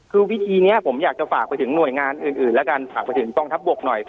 คือวิธีนี้ผมอยากจะฝากไปถึงหน่วยงานอื่นแล้วกันฝากไปถึงกองทัพบกหน่อย